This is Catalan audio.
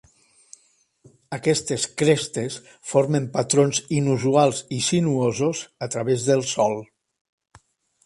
Aquestes crestes formen patrons inusuals i sinuosos a través del sòl.